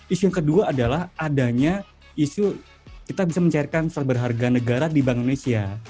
isu yang kedua adalah adanya isu kita bisa mencairkan surat berharga negara di bank indonesia